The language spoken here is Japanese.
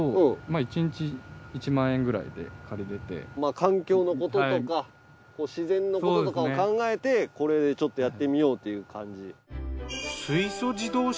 環境のこととか自然のこととかを考えてこれでちょっとやってみようという感じ。